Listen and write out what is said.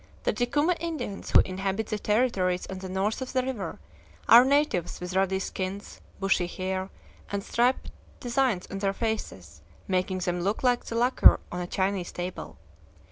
The Ticuma Indians, who inhabit the territories on the north of the river, are natives with ruddy skins, bushy hair, and striped designs on their faces, making them look like the lacquer on a Chinese table.